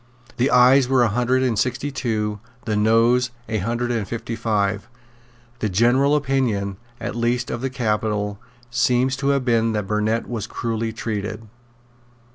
The Ayes were a hundred and sixty two; the Noes a hundred and fifty five. The general opinion, at least of the capital, seems to have been that Burnet was cruelly treated.